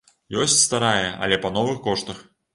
Ёсць старая, але па новых коштах.